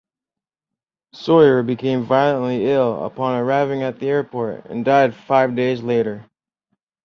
Sawyer became violently ill upon arriving at the airport and died five days later.